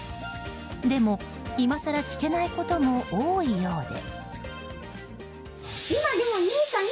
でも、今更聞けないことも多いようで。